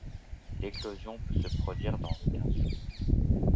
L'éclosion peut se produire dans les quinze jours.